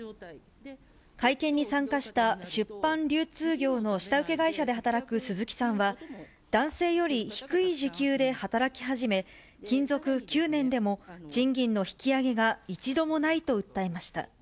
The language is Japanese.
会見に参加した出版流通業の下請け会社で働く鈴木さんは、男性より低い時給で働き始め、勤続９年でも賃金の引き上げが一度もないと訴えました。